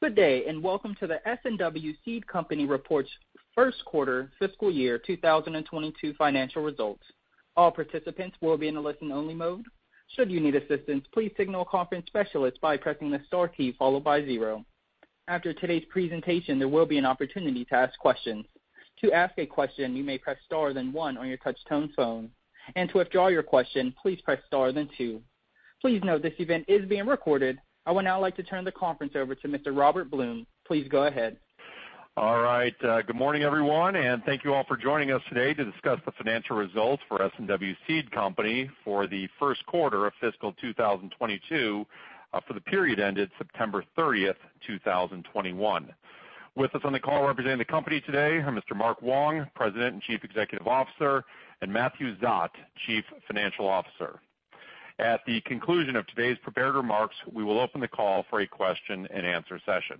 Good day, and welcome to the S&W Seed Company Reports First Quarter Fiscal Year 2022 Financial Results. All participants will be in a listen-only mode. Should you need assistance, please signal a conference specialist by pressing the star key followed by zero. After today's presentation, there will be an opportunity to ask questions. To ask a question, you may press Star then one on your touch-tone phone. To withdraw your question, please press Star then two. Please note this event is being recorded. I would now like to turn the conference over to Mr. Robert Blum. Please go ahead. All right. Good morning, everyone, and thank you all for joining us today to discuss the financial results for S&W Seed Company for the first quarter of fiscal 2022, for the period ended September 30, 2021. With us on the call representing the company today are Mr. Mark Wong, President and Chief Executive Officer, and Matthew Szot, Chief Financial Officer. At the conclusion of today's prepared remarks, we will open the call for a question-and-answer session.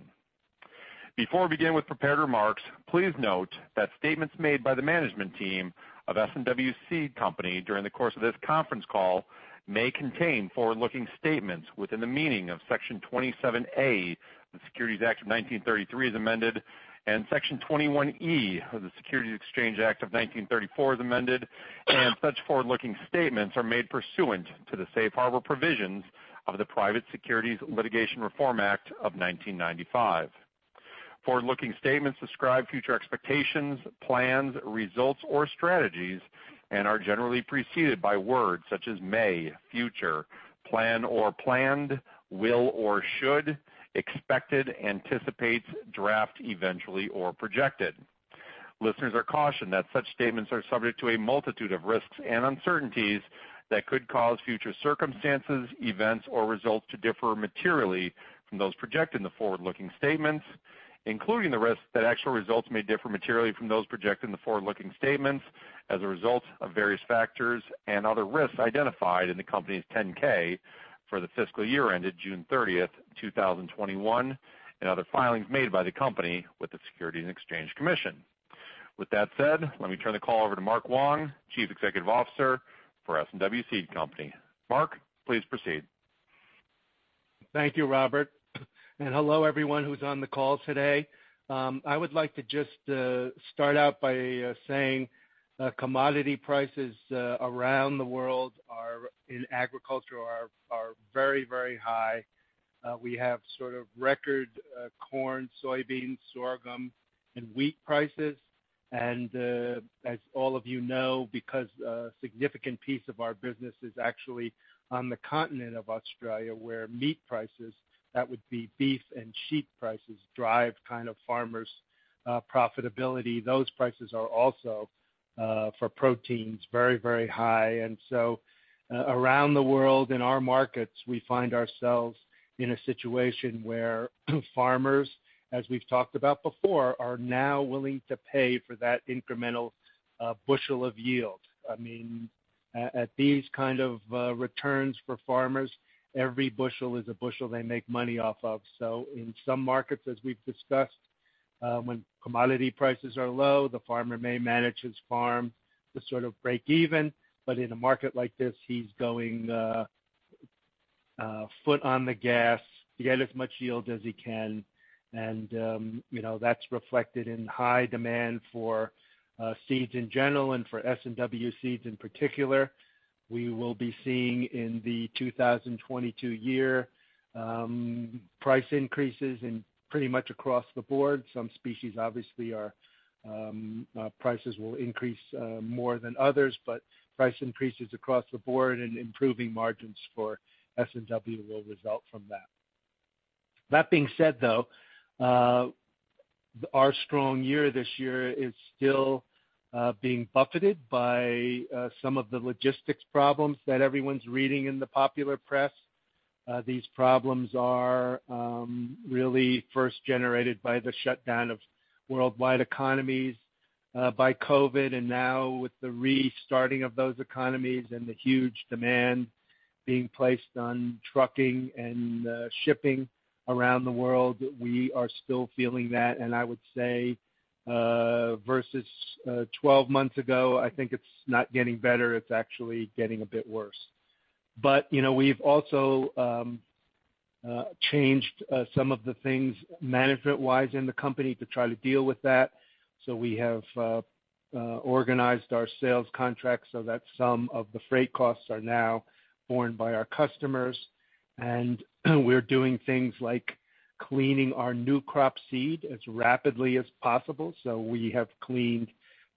Before we begin with prepared remarks, please note that statements made by the management team of S&W Seed Company during the course of this conference call may contain forward-looking statements within the meaning of Section 27A of the Securities Act of 1933 as amended, and Section 21E of the Securities Exchange Act of 1934 as amended, and such forward-looking statements are made pursuant to the Safe Harbor provisions of the Private Securities Litigation Reform Act of 1995. Forward-looking statements describe future expectations, plans, results, or strategies and are generally preceded by words such as may, future, plan or planned, will or should, expected, anticipates, draft, eventually, or projected. Listeners are cautioned that such statements are subject to a multitude of risks and uncertainties that could cause future circumstances, events, or results to differ materially from those projected in the forward-looking statements, including the risk that actual results may differ materially from those projected in the forward-looking statements as a result of various factors and other risks identified in the company's 10-K for the fiscal year ended June 30, 2021, and other filings made by the company with the Securities and Exchange Commission. With that said, let me turn the call over to Mark Wong, Chief Executive Officer for S&W Seed Company. Mark, please proceed. Thank you, Robert. Hello, everyone who's on the call today. I would like to just start out by saying commodity prices around the world in agriculture are very very high. We have sort of record corn, soybeans, sorghum, and wheat prices. As all of you know, because a significant piece of our business is actually on the continent of Australia, where meat prices, that would be beef and sheep prices, drive kind of farmers profitability. Those prices are also for proteins very very high. Around the world in our markets, we find ourselves in a situation where farmers, as we've talked about before, are now willing to pay for that incremental bushel of yield. I mean at these kind of returns for farmers, every bushel is a bushel they make money off of. In some markets, as we've discussed, when commodity prices are low, the farmer may manage his farm to sort of break even. In a market like this, he's going foot on the gas to get as much yield as he can. You know, that's reflected in high demand for seeds in general and for S&W seeds in particular. We will be seeing in the 2022 year price increases pretty much across the board. Some species obviously prices will increase more than others, but price increases across the board and improving margins for S&W will result from that. That being said, though, our strong year this year is still being buffeted by some of the logistics problems that everyone's reading in the popular press. These problems are really first generated by the shutdown of worldwide economies by COVID, and now with the restarting of those economies and the huge demand being placed on trucking and shipping around the world, we are still feeling that. I would say versus 12 months ago, I think it's not getting better. It's actually getting a bit worse. You know, we've also changed some of the things management-wise in the company to try to deal with that. We have organized our sales contracts so that some of the freight costs are now borne by our customers. We're doing things like cleaning our new crop seed as rapidly as possible. We have cleaned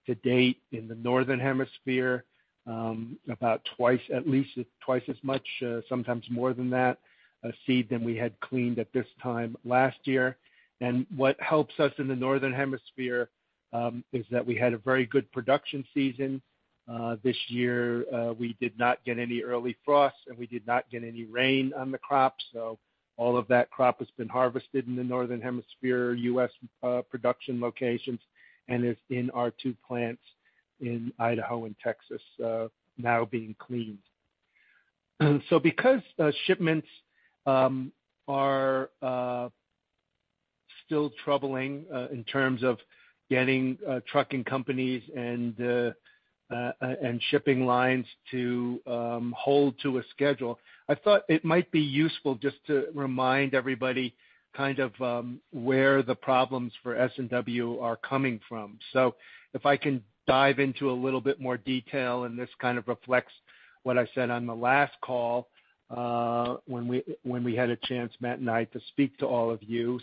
to date in the northern hemisphere about twice, at least twice as much, sometimes more than that, seed than we had cleaned at this time last year. What helps us in the northern hemisphere is that we had a very good production season this year, we did not get any early frost, and we did not get any rain on the crop. All of that crop has been harvested in the northern hemisphere, U.S. production locations, and is in our two plants in Idaho and Texas now being cleaned. Because shipments are still troubling in terms of getting trucking companies and shipping lines to hold to a schedule. I thought it might be useful just to remind everybody kind of where the problems for S&W are coming from. If I can dive into a little bit more detail, and this kind of reflects what I said on the last call, when we had a chance, Matt and I, to speak to all of you.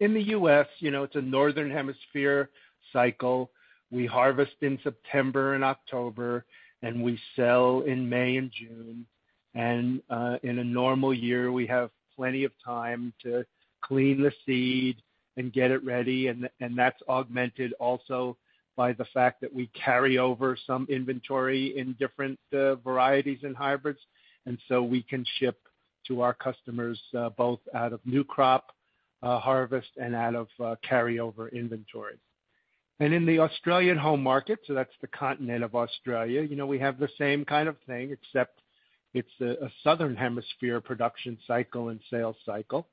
In the U.S., you know, it's a Northern Hemisphere cycle. We harvest in September and October, and we sell in May and June. In a normal year, we have plenty of time to clean the seed and get it ready. That's augmented also by the fact that we carry over some inventory in different varieties and hybrids. We can ship to our customers both out of new crop harvest and out of carryover inventory. In the Australian home market, so that's the continent of Australia, you know, we have the same kind of thing, except it's a Southern Hemisphere production cycle and sales cycle.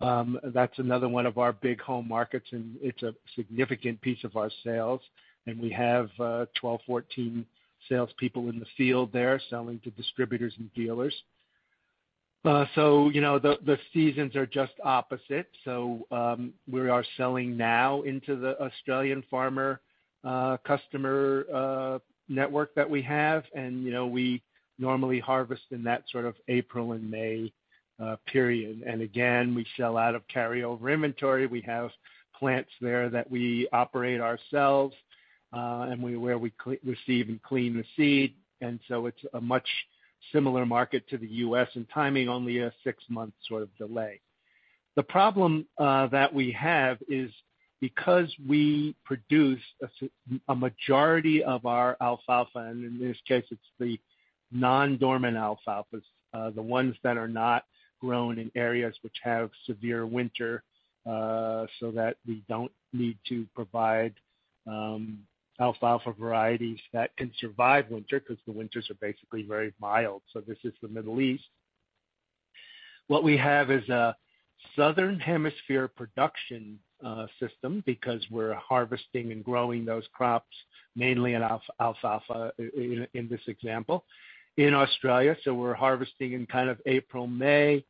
That's another one of our big home markets, and it's a significant piece of our sales. We have 12, 14 salespeople in the field there selling to distributors and dealers. You know, the seasons are just opposite. We are selling now into the Australian farmer customer network that we have. You know, we normally harvest in that sort of April and May period. Again, we sell out of carryover inventory. We have plants there that we operate ourselves, and where we receive and clean the seed. It's a much similar market to the U.S., and timing only a 6-month sort of delay. The problem that we have is because we produce a majority of our alfalfa, and in this case it's the non-dormant alfalfas, the ones that are not grown in areas which have severe winter, so that we don't need to provide alfalfa varieties that can survive winter because the winters are basically very mild. This is the Middle East. What we have is a Southern Hemisphere production system because we're harvesting and growing those crops, mainly alfalfa in this example, in Australia. We're harvesting in kind of April, May.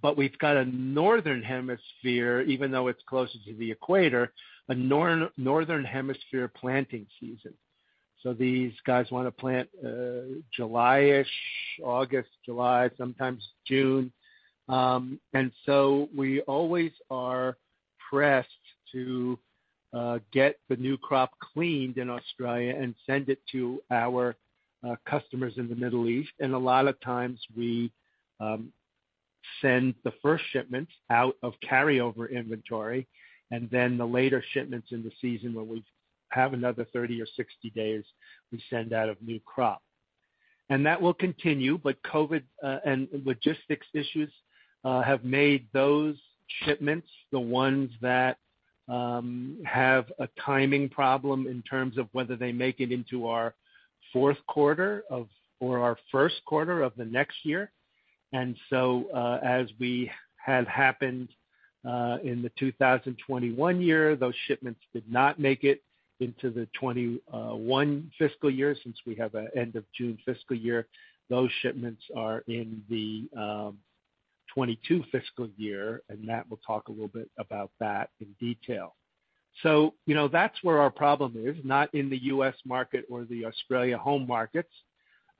But we've got a Northern Hemisphere, even though it's closer to the equator, a Northern Hemisphere planting season. These guys wanna plant July-ish, August, July, sometimes June. We always are pressed to get the new crop cleaned in Australia and send it to our customers in the Middle East. A lot of times we send the first shipments out of carryover inventory, and then the later shipments in the season when we have another 30 or 60 days, we send out of new crop. That will continue, but COVID and logistics issues have made those shipments, the ones that have a timing problem in terms of whether they make it into our fourth quarter or our first quarter of the next year. As had happened in the 2021 year, those shipments did not make it into the 2021 fiscal year. Since we have an end of June fiscal year, those shipments are in the 2022 fiscal year, and Matt will talk a little bit about that in detail. You know, that's where our problem is, not in the U.S. market or the Australia home markets,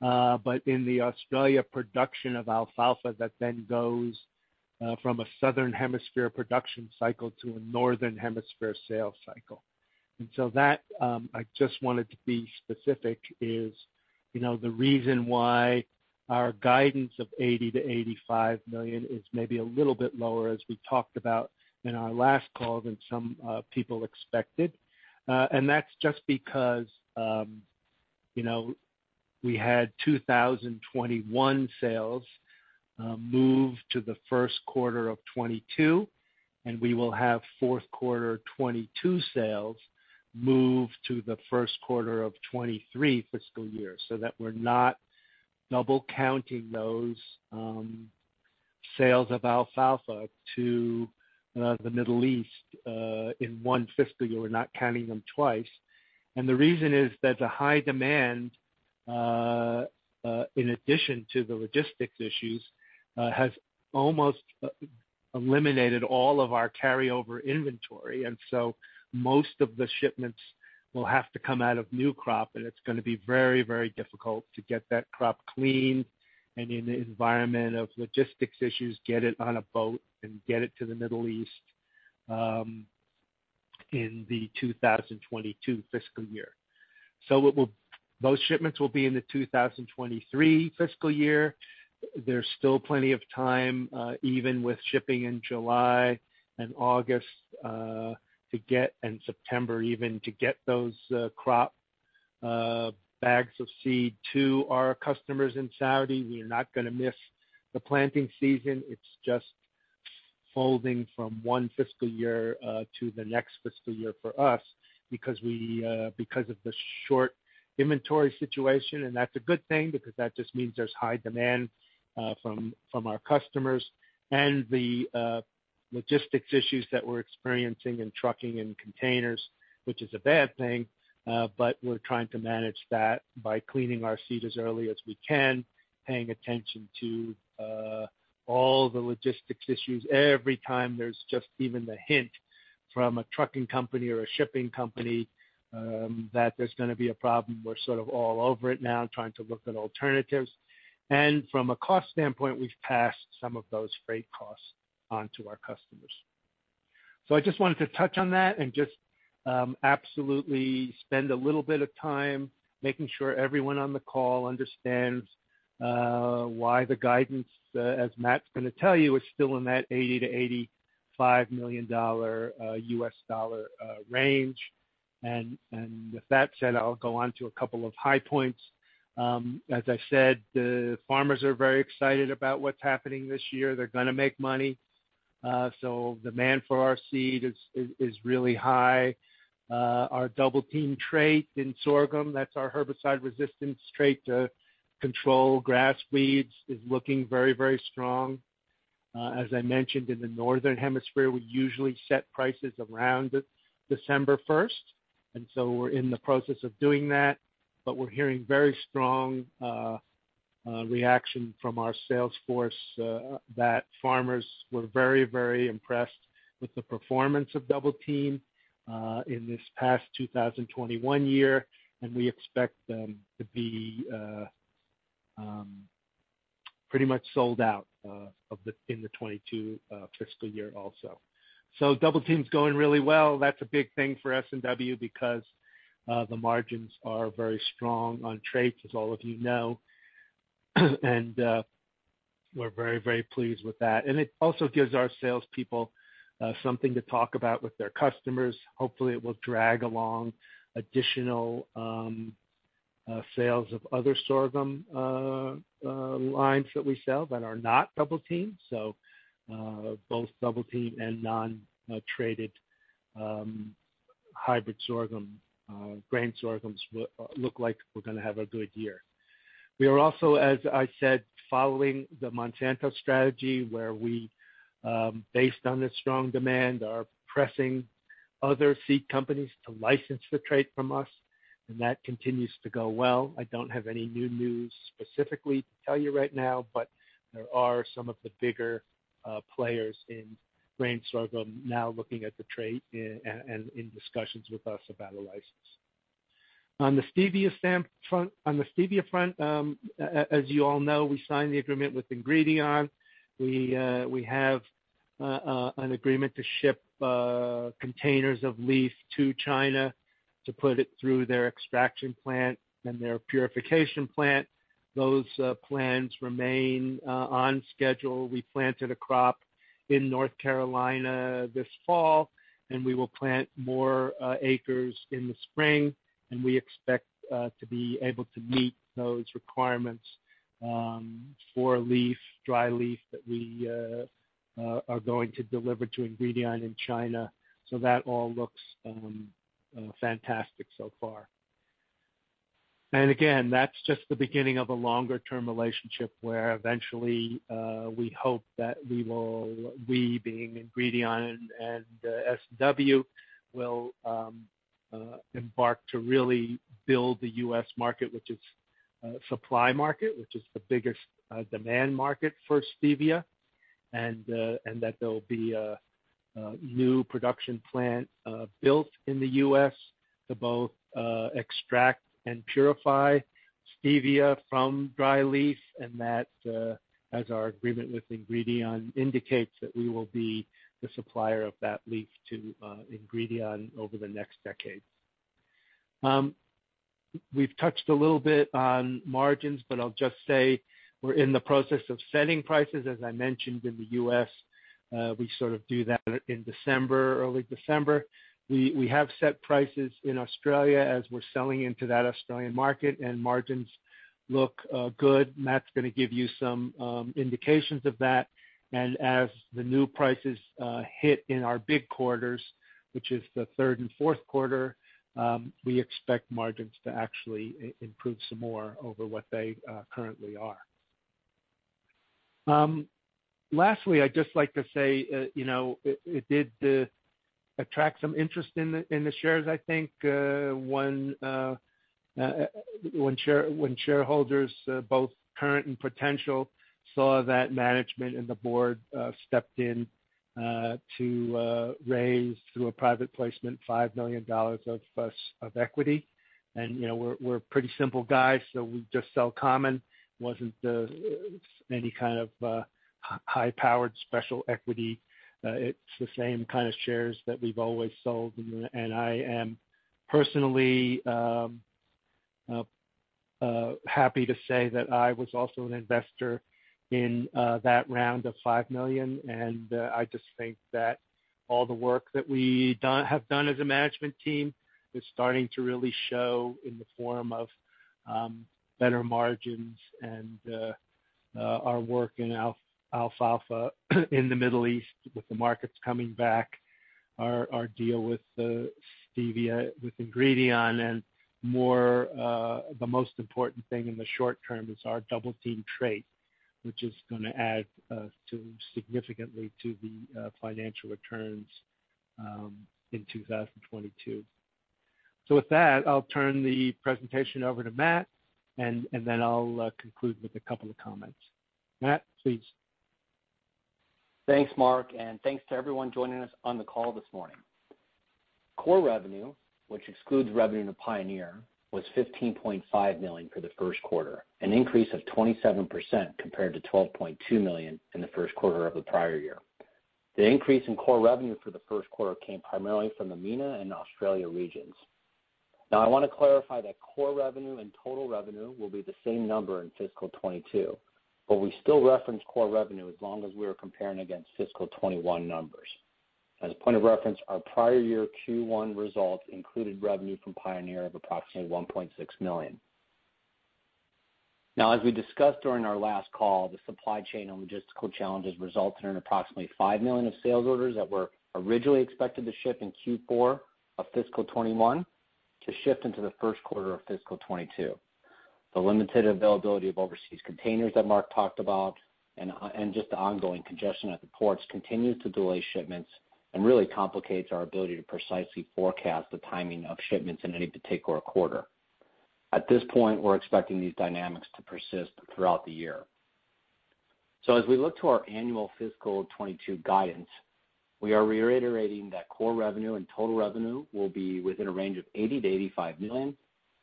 but in the Australia production of alfalfa that then goes from a Southern Hemisphere production cycle to a Northern Hemisphere sales cycle. That I just wanted to be specific is you know the reason why our guidance of $80 million-$85 million is maybe a little bit lower as we talked about in our last call than some people expected. That's just because, you know, we had 2021 sales move to the first quarter of 2022, and we will have fourth quarter 2022 sales move to the first quarter of 2023 fiscal year, so that we're not double-counting those sales of alfalfa to the Middle East in one fiscal. We're not counting them twice. The reason is that the high demand, in addition to the logistics issues, has almost eliminated all of our carryover inventory. Most of the shipments will have to come out of new crop, and it's gonna be very, very difficult to get that crop cleaned and in the environment of logistics issues, get it on a boat and get it to the Middle East in the 2022 fiscal year. Those shipments will be in the 2023 fiscal year. There's still plenty of time, even with shipping in July and August, and September even, to get those crop bags of seed to our customers in Saudi. We are not gonna miss the planting season. It's just folding from one fiscal year to the next fiscal year for us because of the short inventory situation. That's a good thing because that just means there's high demand from our customers. The logistics issues that we're experiencing in trucking and containers, which is a bad thing, but we're trying to manage that by cleaning our seed as early as we can, paying attention to all the logistics issues. Every time there's just even the hint from a trucking company or a shipping company, that there's gonna be a problem, we're sort of all over it now and trying to look at alternatives. From a cost standpoint, we've passed some of those freight costs on to our customers. I just wanted to touch on that and just, absolutely spend a little bit of time making sure everyone on the call understands, why the guidance, as Matt's gonna tell you, is still in that $80 million-$85 million range. With that said, I'll go on to a couple of high points. As I said, the farmers are very excited about what's happening this year. They're gonna make money. Demand for our seed is really high. Our Double Team trait in sorghum, that's our herbicide-resistant trait to control grass weeds, is looking very, very strong. As I mentioned, in the Northern Hemisphere, we usually set prices around December 1, and we're in the process of doing that. We're hearing very strong reaction from our sales force that farmers were very, very impressed with the performance of Double Team in this past 2021 year, and we expect them to be pretty much sold out of the in the 2022 fiscal year also. Double Team's going really well. That's a big thing for S&W because the margins are very strong on traits, as all of you know. We're very, very pleased with that. It also gives our salespeople something to talk about with their customers. Hopefully, it will drag along additional sales of other sorghum lines that we sell that are not Double Team. Both Double Team and non-traited hybrid sorghum grain sorghums look like we're gonna have a good year. We are also, as I said, following the Monsanto strategy, where we, based on the strong demand, are pressing other seed companies to license the trait from us, and that continues to go well. I don't have any new news specifically to tell you right now, but there are some of the bigger players in grain sorghum now looking at the trait and in discussions with us about a license. On the stevia front, as you all know, we signed the agreement with Ingredion. We have an agreement to ship containers of leaf to China to put it through their extraction plant and their purification plant. Those plans remain on schedule. We planted a crop in North Carolina this fall, and we will plant more acres in the spring, and we expect to be able to meet those requirements for leaf, dry leaf that we are going to deliver to Ingredion in China. That all looks fantastic so far. Again, that's just the beginning of a longer-term relationship where eventually we hope that we will, we being Ingredion and S&W, will embark to really build the U.S. market, which is a supply market, which is the biggest demand market for stevia. That there'll be a new production plant built in the U.S. to both extract and purify stevia from dry leaf, and that as our agreement with Ingredion indicates that we will be the supplier of that leaf to Ingredion over the next decade. We've touched a little bit on margins, but I'll just say we're in the process of setting prices. As I mentioned, in the U.S., we sort of do that in December, early December. We have set prices in Australia as we're selling into that Australian market, and margins look good. Matt's gonna give you some indications of that. As the new prices hit in our big quarters, which is the third and fourth quarter, we expect margins to actually improve some more over what they currently are. Lastly, I'd just like to say, you know, it did attract some interest in the shares, I think, when shareholders, both current and potential, saw that management and the board stepped in to raise through a private placement $5 million of equity. You know, we're pretty simple guys, so we just sell common. Wasn't any kind of high-powered special equity. It's the same kinda shares that we've always sold. I am personally happy to say that I was also an investor in that round of $5 million, and I just think that all the work that we have done as a management team is starting to really show in the form of better margins and our work in alfalfa in the Middle East with the markets coming back. Our deal with the stevia, with Ingredion and more, the most important thing in the short term is our Double Team trait, which is gonna add significantly to the financial returns in 2022. With that, I'll turn the presentation over to Matt, and then I'll conclude with a couple of comments. Matt, please. Thanks, Mark, and thanks to everyone joining us on the call this morning. Core revenue, which excludes revenue to Pioneer, was $15.5 million for the first quarter, an increase of 27% compared to $12.2 million in the first quarter of the prior year. The increase in core revenue for the first quarter came primarily from the MENA and Australia regions. Now I wanna clarify that core revenue and total revenue will be the same number in fiscal 2022, but we still reference core revenue as long as we are comparing against fiscal 2021 numbers. As a point of reference, our prior year Q1 results included revenue from Pioneer of approximately $1.6 million. Now, as we discussed during our last call, the supply chain and logistical challenges resulted in approximately $5 million of sales orders that were originally expected to ship in Q4 of fiscal 2021 to shift into the first quarter of fiscal 2022. The limited availability of overseas containers that Mark talked about and just the ongoing congestion at the ports continues to delay shipments and really complicates our ability to precisely forecast the timing of shipments in any particular quarter. At this point, we're expecting these dynamics to persist throughout the year. As we look to our annual fiscal 2022 guidance, we are reiterating that core revenue and total revenue will be within a range of $80 million-$85 million.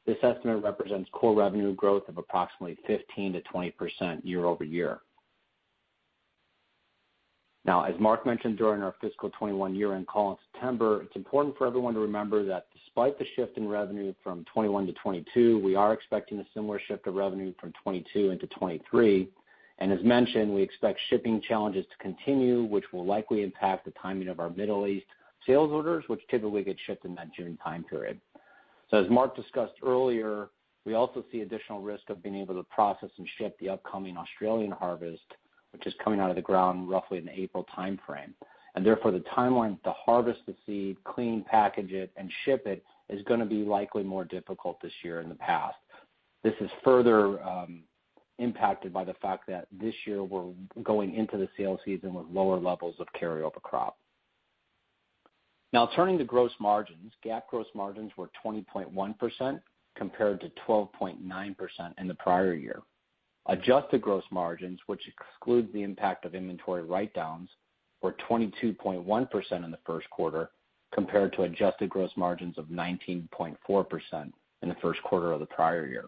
This estimate represents core revenue growth of approximately 15%-20% year-over-year. Now, as Mark mentioned during our fiscal 2021 year-end call in September, it's important for everyone to remember that despite the shift in revenue from 2021 to 2022, we are expecting a similar shift of revenue from 2022 into 2023. As mentioned, we expect shipping challenges to continue, which will likely impact the timing of our Middle East sales orders, which typically get shipped in that June time period. As Mark discussed earlier, we also see additional risk of being able to process and ship the upcoming Australian harvest, which is coming out of the ground roughly in the April timeframe. Therefore, the timeline to harvest the seed, clean, package it, and ship it is gonna be likely more difficult this year than the past. This is further impacted by the fact that this year, we're going into the sales season with lower levels of carryover crop. Now turning to gross margins. GAAP gross margins were 20.1% compared to 12.9% in the prior year. Adjusted gross margins, which excludes the impact of inventory write-downs, were 22.1% in the first quarter, compared to adjusted gross margins of 19.4% in the first quarter of the prior year.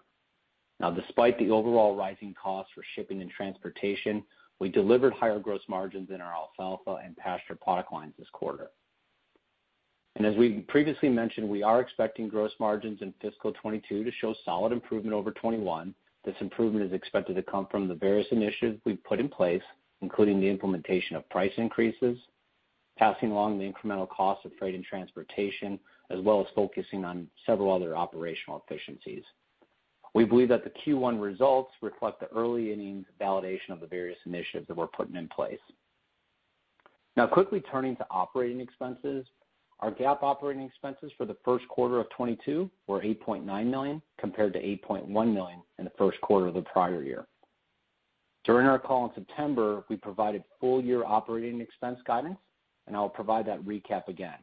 Now despite the overall rising costs for shipping and transportation, we delivered higher gross margins in our alfalfa and pasture product lines this quarter. As we previously mentioned, we are expecting gross margins in fiscal 2022 to show solid improvement over 2021. This improvement is expected to come from the various initiatives we've put in place, including the implementation of price increases, passing along the incremental cost of freight and transportation, as well as focusing on several other operational efficiencies. We believe that the Q1 results reflect the early innings validation of the various initiatives that we're putting in place. Now quickly turning to operating expenses. Our GAAP operating expenses for the first quarter of 2022 were $8.9 million compared to $8.1 million in the first quarter of the prior year. During our call in September, we provided full-year operating expense guidance, and I'll provide that recap again.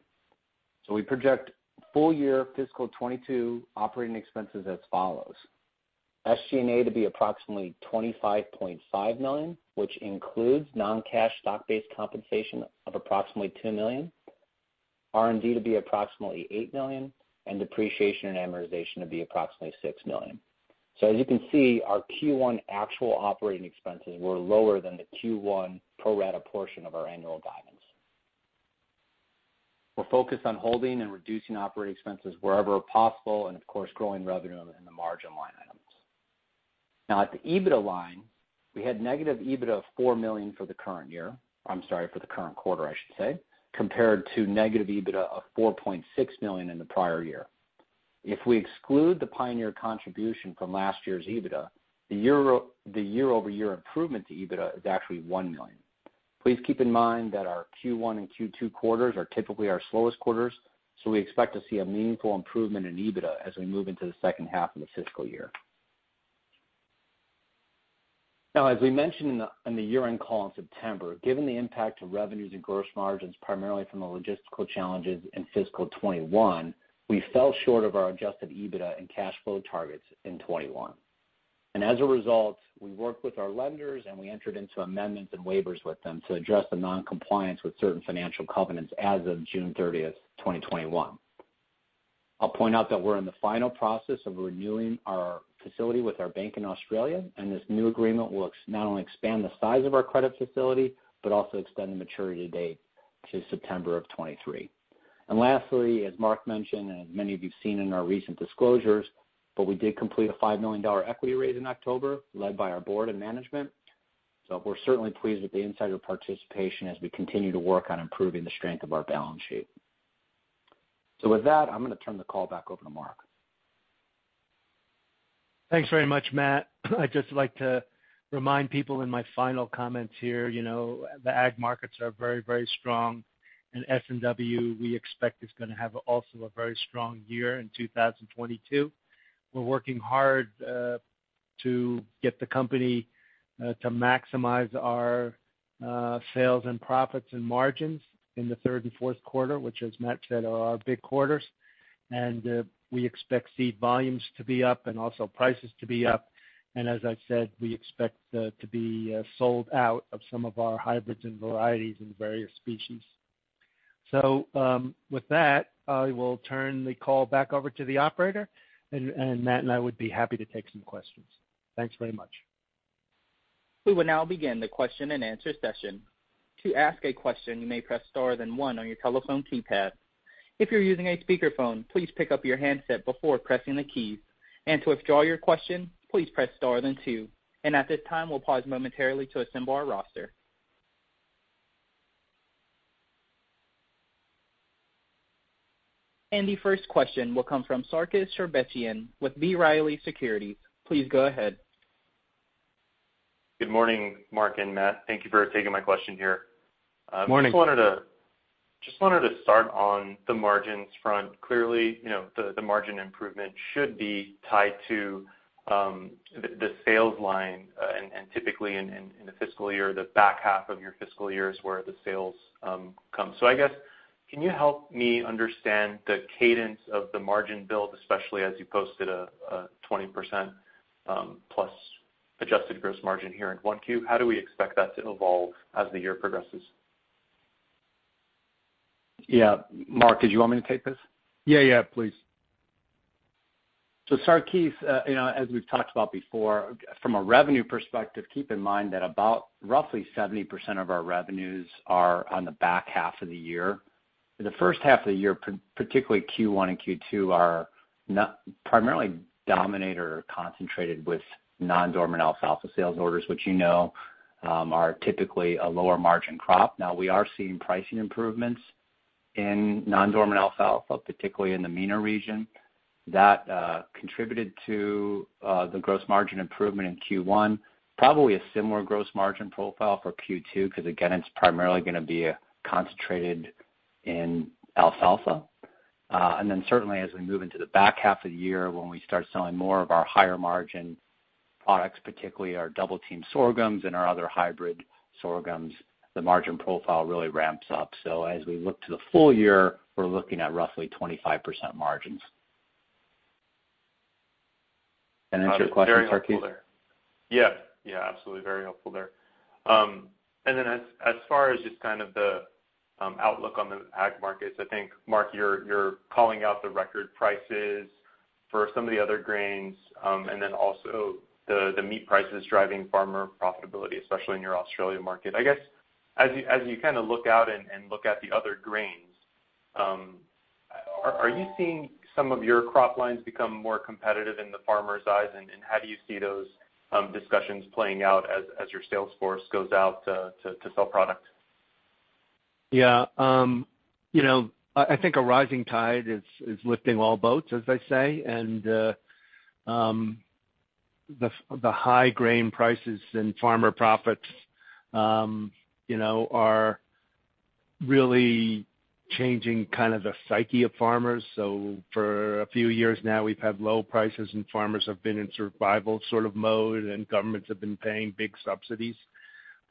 We project full-year fiscal 2022 operating expenses as follows: SG&A to be approximately $25.5 million, which includes non-cash stock-based compensation of approximately $2 million, R&D to be approximately $8 million, and depreciation and amortization to be approximately $6 million. As you can see, our Q1 actual operating expenses were lower than the Q1 pro rata portion of our annual guidance. We're focused on holding and reducing operating expenses wherever possible and of course, growing revenue in the margin line items. Now at the EBITDA line, we had negative EBITDA of $4 million for the current year. I'm sorry, for the current quarter, I should say, compared to negative EBITDA of $4.6 million in the prior year. If we exclude the Pioneer contribution from last year's EBITDA, the year-over-year improvement to EBITDA is actually $1 million. Please keep in mind that our Q1 and Q2 quarters are typically our slowest quarters, so we expect to see a meaningful improvement in EBITDA as we move into the second half of the fiscal year. Now, as we mentioned in the year-end call in September, given the impact to revenues and gross margins, primarily from the logistical challenges in fiscal 2021, we fell short of our adjusted EBITDA and cash flow targets in 2021. As a result, we worked with our lenders, and we entered into amendments and waivers with them to address the non-compliance with certain financial covenants as of June 30, 2021. I'll point out that we're in the final process of renewing our facility with our bank in Australia, and this new agreement will not only expand the size of our credit facility, but also extend the maturity date to September 2023. Lastly, as Mark mentioned, and as many of you have seen in our recent disclosures, but we did complete a $5 million equity raise in October, led by our board and management. We're certainly pleased with the insider participation as we continue to work on improving the strength of our balance sheet. With that, I'm gonna turn the call back over to Mark. Thanks very much, Matt. I'd just like to remind people in my final comments here, you know, the ag markets are very, very strong. S&W, we expect, is gonna have also a very strong year in 2022. We're working hard to get the company to maximize our sales and profits and margins in the third and fourth quarter, which, as Matt said, are our big quarters. We expect seed volumes to be up and also prices to be up. As I said, we expect to be sold out of some of our hybrids and varieties in the various species. With that, I will turn the call back over to the operator. Matt and I would be happy to take some questions. Thanks very much. We will now begin the question-and-answer session. To ask a question, you may press star then one on your telephone keypad. If you're using a speakerphone, please pick up your handset before pressing the key. To withdraw your question, please press star then two. At this time, we'll pause momentarily to assemble our roster. The first question will come from Sarkis Sherbetchian with B. Riley Securities. Please go ahead. Good morning, Mark and Matt. Thank you for taking my question here. Morning. Just wanted to start on the margins front. Clearly, you know, the margin improvement should be tied to the sales line, and typically in the fiscal year, the back half of your fiscal year is where the sales come. I guess, can you help me understand the cadence of the margin build, especially as you posted a 20% plus adjusted gross margin here in 1Q? How do we expect that to evolve as the year progresses? Yeah. Mark, did you want me to take this? Yeah. Yeah, please. Sarkis, you know, as we've talked about before, from a revenue perspective, keep in mind that about roughly 70% of our revenues are on the back half of the year. The first half of the year, particularly Q1 and Q2, are not primarily dominated or concentrated with nondormant alfalfa sales orders, which you know, are typically a lower margin crop. Now, we are seeing pricing improvements in nondormant alfalfa, particularly in the MENA region. That contributed to the gross margin improvement in Q1. Probably a similar gross margin profile for Q2, because again, it's primarily gonna be concentrated in alfalfa. Certainly as we move into the back half of the year when we start selling more of our higher margin products, particularly our Double Team sorghums and our other hybrid sorghums, the margin profile really ramps up. As we look to the full year, we're looking at roughly 25% margins. Finish your question, Sarkis. Yeah. Yeah, absolutely. Very helpful there. As far as just kind of the outlook on the ag markets, I think, Mark, you're calling out the record prices for some of the other grains, and then also the meat prices driving farmer profitability, especially in your Australia market. I guess, as you kind of look out and look at the other grains, are you seeing some of your crop lines become more competitive in the farmer's eyes? And how do you see those discussions playing out as your sales force goes out to sell product? Yeah. You know, I think a rising tide is lifting all boats, as they say. The high grain prices and farmer profits, you know, are really changing kind of the psyche of farmers. For a few years now, we've had low prices, and farmers have been in survival sort of mode, and governments have been paying big subsidies.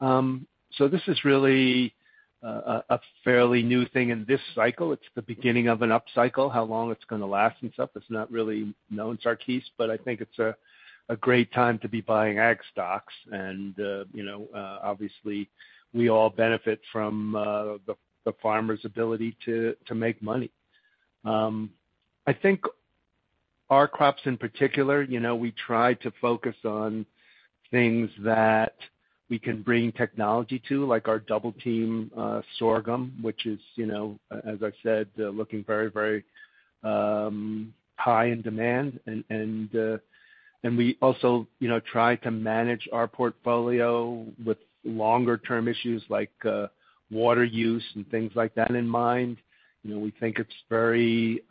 This is really a fairly new thing in this cycle. It's the beginning of an upcycle. How long it's gonna last and stuff is not really known, Sarkis, but I think it's a great time to be buying ag stocks. You know, obviously we all benefit from the farmer's ability to make money. I think our crops in particular, you know, we try to focus on things that we can bring technology to, like our Double Team sorghum, which is, you know, as I said, looking very high in demand. We also, you know, try to manage our portfolio with longer term issues like water use and things like that in mind. You know, we think it's very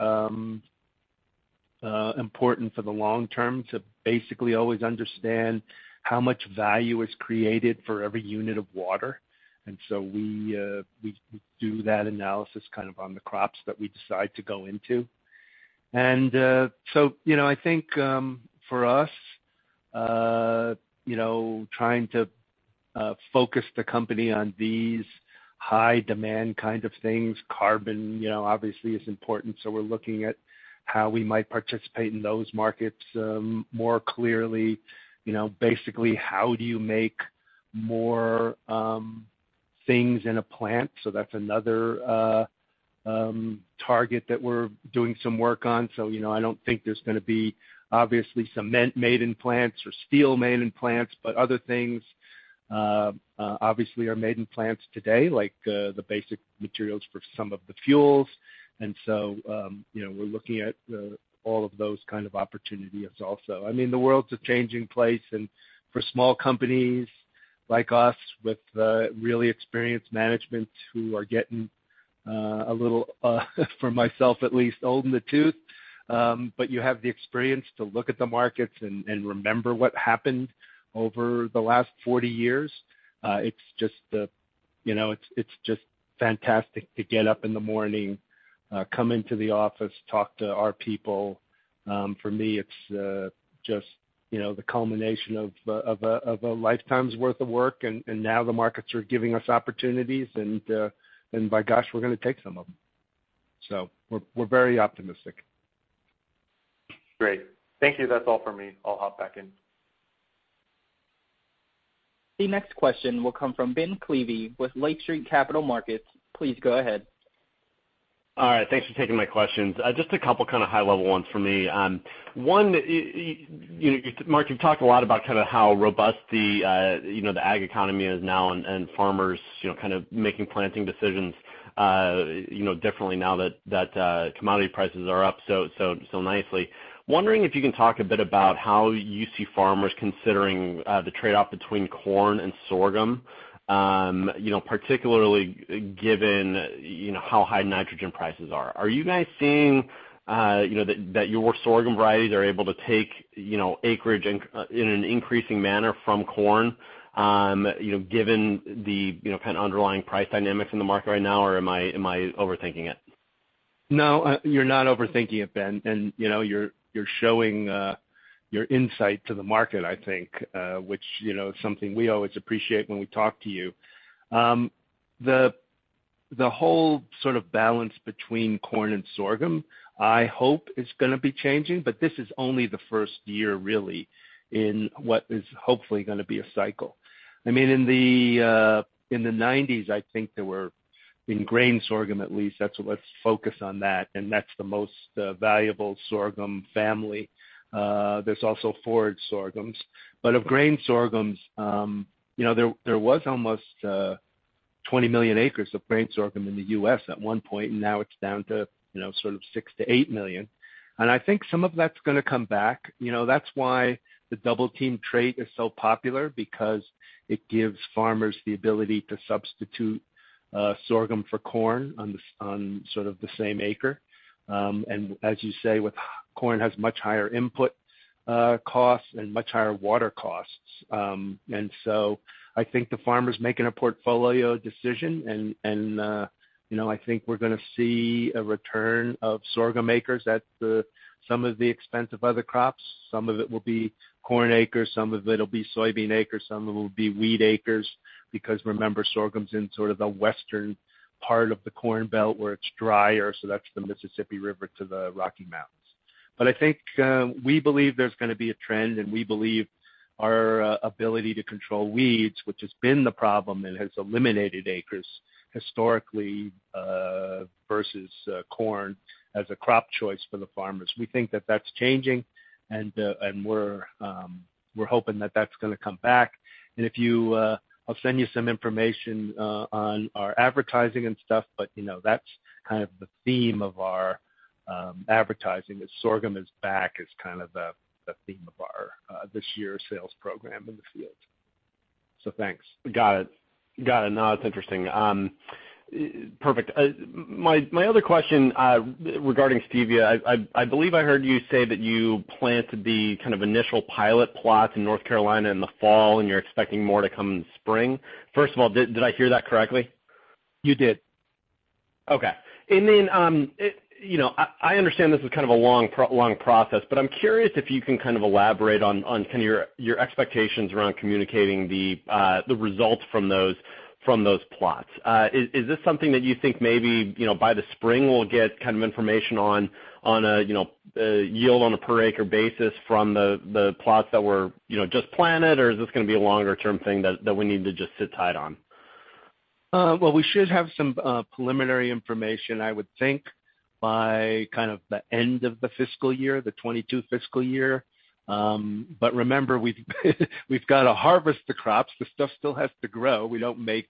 important for the long term to basically always understand how much value is created for every unit of water. We do that analysis kind of on the crops that we decide to go into. You know, I think for us, you know, trying to focus the company on these high demand kind of things, carbon, you know, obviously is important. We're looking at how we might participate in those markets more clearly. You know, basically how do you make more things in a plant? That's another target that we're doing some work on. You know, I don't think there's gonna be obviously cement made in plants or steel made in plants. Other things obviously are made in plants today, like the basic materials for some of the fuels. You know, we're looking at all of those kind of opportunities also. I mean, the world's a changing place, and for small companies like us with really experienced management who are getting a little, for myself at least, old in the tooth. You have the experience to look at the markets and remember what happened over the last 40 years. You know, it's just fantastic to get up in the morning, come into the office, talk to our people. For me, it's just, you know, the culmination of a lifetime's worth of work. Now the markets are giving us opportunities and by gosh, we're gonna take some of them. We're very optimistic. Great. Thank you. That's all for me. I'll hop back in. The next question will come from Ben Klieve with Lake Street Capital Markets. Please go ahead. All right. Thanks for taking my questions. Just a couple kinda high level ones for me. One, you know, Mark, you've talked a lot about kinda how robust the, you know, the ag economy is now and farmers, you know, kind of making planting decisions, you know, differently now that commodity prices are up so nicely. Wondering if you can talk a bit about how you see farmers considering the trade-off between corn and sorghum, you know, particularly given, you know, how high nitrogen prices are. Are you guys seeing, you know, that your sorghum varieties are able to take, you know, acreage in an increasing manner from corn, you know, given the, you know, kinda underlying price dynamics in the market right now, or am I overthinking it? No, you're not overthinking it, Ben. You know, you're showing your insight to the market, I think, which you know, is something we always appreciate when we talk to you. The whole sort of balance between corn and sorghum, I hope is gonna be changing, but this is only the first year really in what is hopefully gonna be a cycle. I mean, in the 1990s, I think there were, in grain sorghum at least, let's focus on that, and that's the most valuable sorghum family. There's also forage sorghums. But of grain sorghums, you know, there was almost 20 million acres of grain sorghum in the U.S. at one point, and now it's down to, you know, sort of 6-8 million. I think some of that's gonna come back. You know, that's why the Double Team trait is so popular because it gives farmers the ability to substitute sorghum for corn on sort of the same acre. As you say, corn has much higher input costs and much higher water costs. I think the farmer's making a portfolio decision and you know, I think we're gonna see a return of sorghum acres at some of the expense of other crops. Some of it will be corn acres, some of it'll be soybean acres, some of it will be wheat acres because remember, sorghum's in sort of the western part of the Corn Belt where it's drier, so that's the Mississippi River to the Rocky Mountains. I think we believe there's gonna be a trend, and we believe our ability to control weeds, which has been the problem and has eliminated acres historically, versus corn as a crop choice for the farmers. We think that that's changing and we're hoping that that's gonna come back. If you, I'll send you some information on our advertising and stuff, but you know that's kind of the theme of our advertising, is sorghum is back is kind of the theme of our this year's sales program in the field. Thanks. Got it. No, that's interesting. Perfect. My other question regarding stevia, I believe I heard you say that you planted the kind of initial pilot plots in North Carolina in the fall and you're expecting more to come in spring. First of all, did I hear that correctly? You did. Okay. I understand this is kind of a long process, but I'm curious if you can kind of elaborate on kinda your expectations around communicating the results from those plots. Is this something that you think maybe, you know, by the spring we'll get kind of information on a yield on a per acre basis from the plots that were, you know, just planted or is this gonna be a longer term thing that we need to just sit tight on? Well, we should have some preliminary information I would think by kind of the end of the fiscal year, the 2022 fiscal year. Remember, we've gotta harvest the crops. The stuff still has to grow. We don't make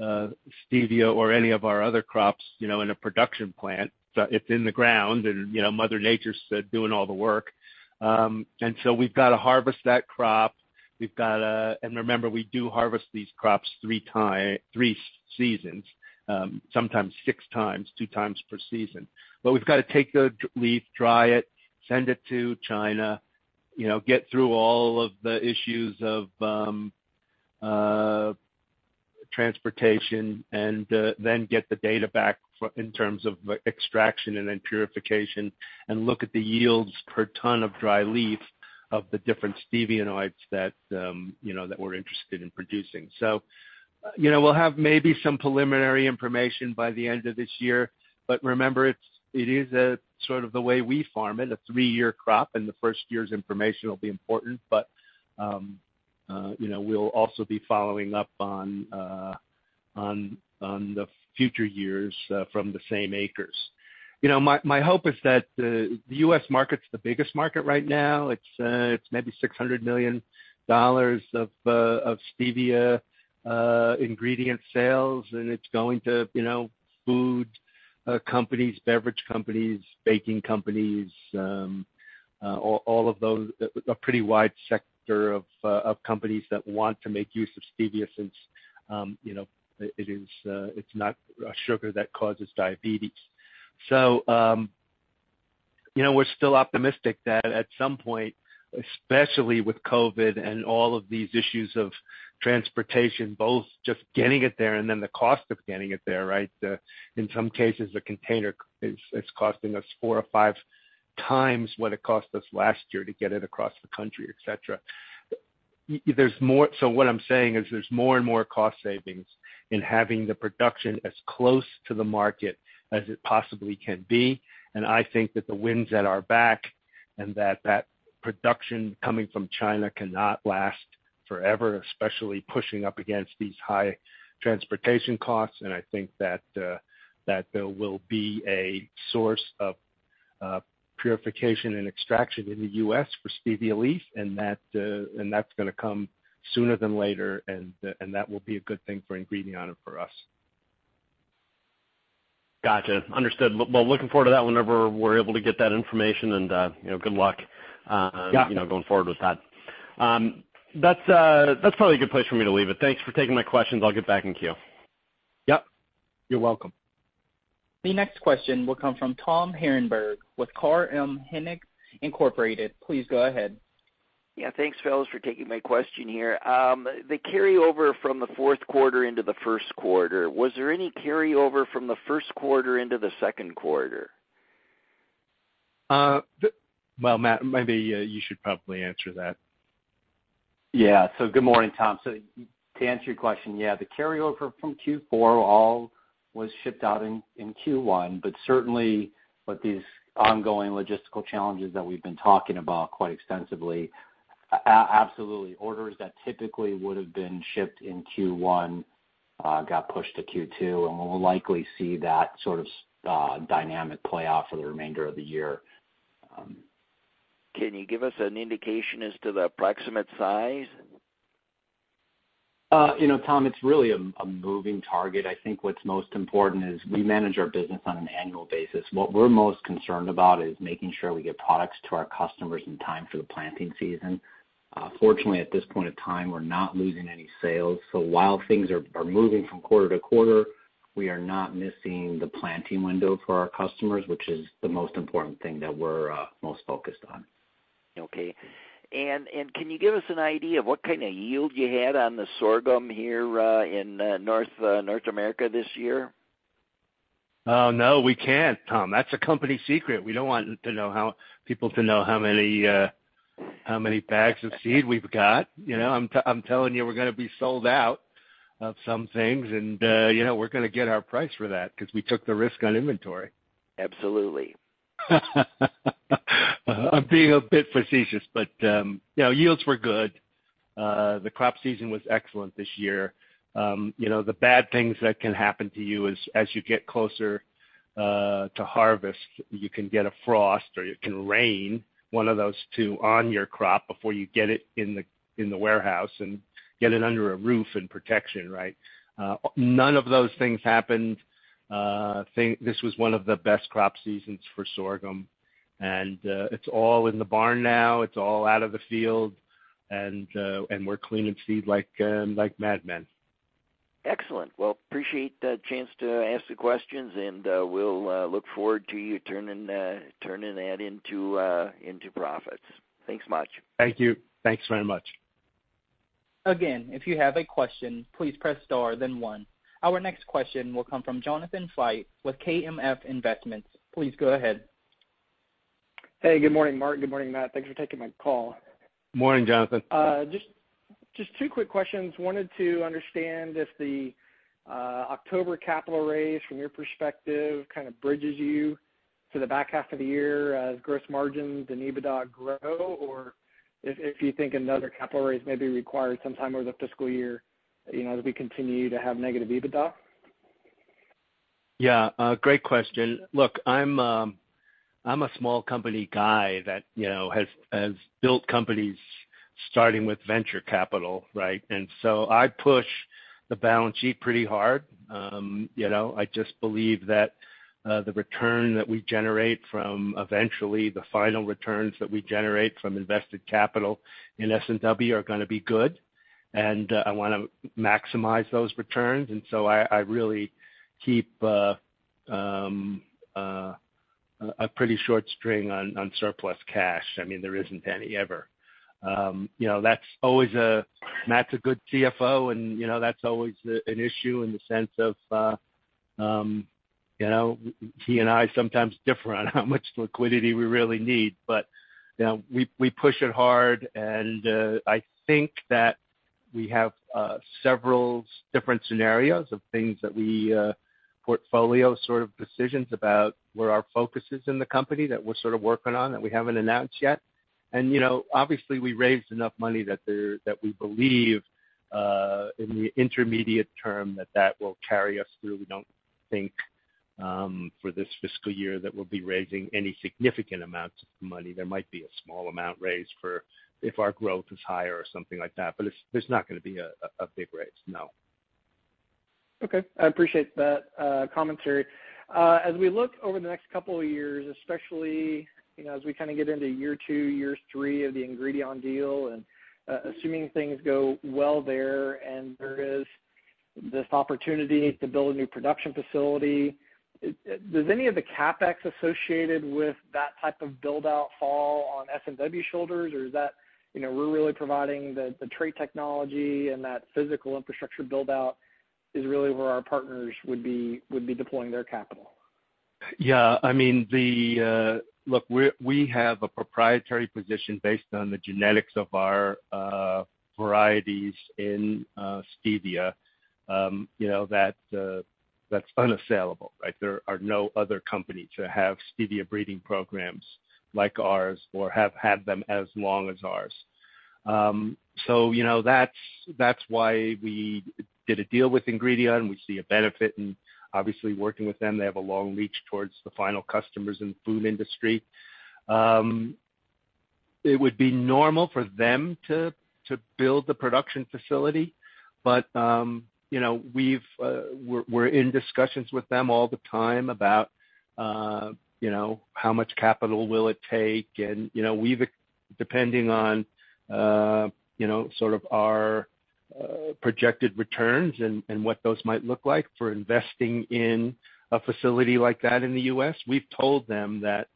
stevia or any of our other crops, you know, in a production plant. It's in the ground and, you know, Mother Nature's doing all the work. We've gotta harvest that crop. Remember, we do harvest these crops three times, three seasons, sometimes six times, two times per season. We've gotta take the leaf, dry it, send it to China, you know, get through all of the issues of transportation and then get the data back for, in terms of extraction and then purification, and look at the yields per ton of dry leaf of the different steviol glycosides that you know that we're interested in producing. You know, we'll have maybe some preliminary information by the end of this year, but remember, it's a sort of the way we farm it, a three-year crop, and the first year's information will be important, but you know we'll also be following up on the future years from the same acres. You know, my hope is that the U.S. market's the biggest market right now. It's maybe $600 million of stevia ingredient sales, and it's going to, you know, food companies, beverage companies, baking companies, all of those, a pretty wide sector of companies that want to make use of stevia since, you know, it is, it's not a sugar that causes diabetes. You know, we're still optimistic that at some point, especially with COVID and all of these issues of transportation, both just getting it there and then the cost of getting it there, right? In some cases, a container is costing us four or five times what it cost us last year to get it across the country, et cetera. There's more. What I'm saying is there's more and more cost savings in having the production as close to the market as it possibly can be. I think that the winds at our back and that production coming from China cannot last forever, especially pushing up against these high transportation costs. I think that there will be a source of purification and extraction in the U.S. for stevia leaf, and that's gonna come sooner than later, and that will be a good thing for Ingredion and for us. Gotcha. Understood. Well, looking forward to that whenever we're able to get that information and, you know, good luck. Yeah you know, going forward with that. That's probably a good place for me to leave it. Thanks for taking my questions. I'll get back in queue. Yep, you're welcome. The next question will come from Tom Harenburg with Carl M. Hennig Incorporated. Please go ahead. Yeah, thanks, fellas, for taking my question here. The carryover from the fourth quarter into the first quarter, was there any carryover from the first quarter into the second quarter? Well, Matt, maybe you should probably answer that. Good morning, Tom. To answer your question, yeah, the carryover from Q4 all was shipped out in Q1, but certainly with these ongoing logistical challenges that we've been talking about quite extensively, absolutely, orders that typically would have been shipped in Q1 got pushed to Q2, and we'll likely see that sort of dynamic play out for the remainder of the year. Can you give us an indication as to the approximate size? You know, Tom, it's really a moving target. I think what's most important is we manage our business on an annual basis. What we're most concerned about is making sure we get products to our customers in time for the planting season. Fortunately, at this point of time, we're not losing any sales. While things are moving from quarter to quarter, we are not missing the planting window for our customers, which is the most important thing that we're most focused on. Okay. Can you give us an idea of what kind of yield you had on the sorghum here in North America this year? Oh, no, we can't, Tom. That's a company secret. We don't want people to know how many bags of seed we've got. You know, I'm telling you, we're gonna be sold out of some things and, you know, we're gonna get our price for that because we took the risk on inventory. Absolutely. I'm being a bit facetious, but you know, yields were good. The crop season was excellent this year. You know, the bad things that can happen to you is as you get closer to harvest, you can get a frost or it can rain, one of those two, on your crop before you get it in the warehouse and get it under a roof and protection, right? None of those things happened. This was one of the best crop seasons for sorghum. It's all in the barn now. It's all out of the field and we're cleaning seed like mad men. Excellent. Well, I appreciate the chance to ask the questions, and we'll look forward to you turning that into profits. Thanks much. Thank you. Thanks very much. Again, if you have a question, please press star then one. Our next question will come from Jonathon Fite with KMF Investments. Please go ahead. Hey, good morning, Mark, good morning, Matt. Thanks for taking my call. Morning, Jonathon. Just two quick questions. Wanted to understand if the October capital raise from your perspective kind of bridges you to the back half of the year as gross margins and EBITDA grow, or if you think another capital raise may be required sometime over the fiscal year, you know, as we continue to have negative EBITDA? Yeah, great question. Look, I'm a small company guy that, you know, has built companies starting with venture capital, right? I push the balance sheet pretty hard. You know, I just believe that the final returns that we generate from invested capital in S&W are gonna be good. I wanna maximize those returns. I really keep a pretty short string on surplus cash. I mean, there isn't any ever. You know, Matt's a good CFO and, you know, that's always an issue in the sense of, you know, he and I sometimes differ on how much liquidity we really need. You know, we push it hard and I think that we have several different scenarios of things that we portfolio sort of decisions about where our focus is in the company that we're sort of working on that we haven't announced yet. You know, obviously, we raised enough money that we believe in the intermediate term that that will carry us through. We don't think for this fiscal year that we'll be raising any significant amounts of money. There might be a small amount raised for if our growth is higher or something like that, but it's. There's not gonna be a big raise, no. Okay. I appreciate that, commentary. As we look over the next couple of years, especially, you know, as we kind of get into year two, years three of the Ingredion deal, and assuming things go well there and there is this opportunity to build a new production facility. Does any of the CapEx associated with that type of build-out fall on S&W shoulders or is that, you know, we're really providing the trait technology and that physical infrastructure build-out is really where our partners would be deploying their capital? Yeah, I mean, look, we have a proprietary position based on the genetics of our varieties in stevia, you know, that's unassailable, right? There are no other companies that have stevia breeding programs like ours or have had them as long as ours. You know, that's why we did a deal with Ingredion. We see a benefit in obviously working with them. They have a long reach towards the final customers in the food industry. It would be normal for them to build the production facility. You know, we've, we're in discussions with them all the time about you know, how much capital will it take and, you know, depending on you know, sort of our projected returns and what those might look like for investing in a facility like that in the U.S., we've told them that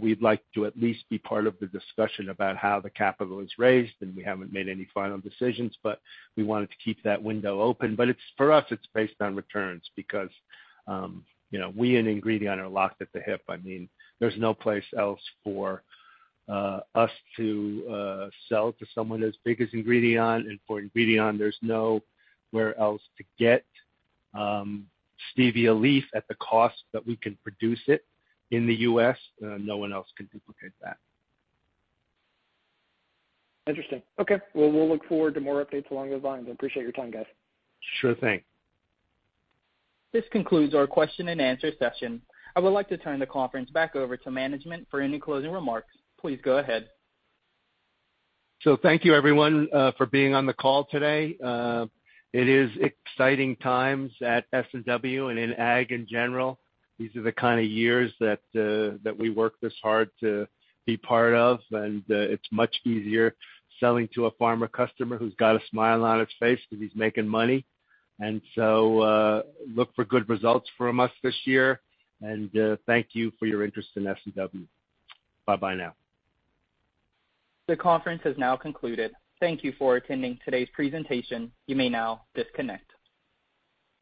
we'd like to at least be part of the discussion about how the capital is raised, and we haven't made any final decisions, but we wanted to keep that window open. It's, for us, it's based on returns because you know, we and Ingredion are locked at the hip. I mean, there's no place else for us to sell to someone as big as Ingredion. For Ingredion, there's nowhere else to get stevia leaf at the cost that we can produce it in the U.S. No one else can duplicate that. Interesting. Okay. Well, we'll look forward to more updates along those lines. I appreciate your time, guys. Sure thing. This concludes our question-and-answer session. I would like to turn the conference back over to management for any closing remarks. Please go ahead. Thank you, everyone, for being on the call today. It is exciting times at S&W and in ag in general. These are the kind of years that we work this hard to be part of, and it's much easier selling to a farmer customer who's got a smile on his face because he's making money. Look for good results from us this year. Thank you for your interest in S&W. Bye-bye now. The conference has now concluded. Thank you for attending today's presentation. You may now disconnect.